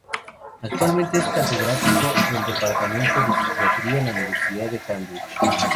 Actualmente, es catedrático del departamento de Psiquiatría en la Universidad de Cambridge.